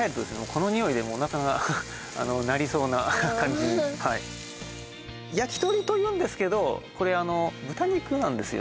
このにおいでおなかが鳴りそうな感じにはいやきとりというんですけどこれあの豚肉なんですよ